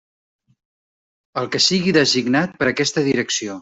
El que sigui designat per aquesta Direcció.